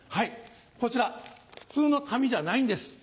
こちら普通の紙じゃないんです。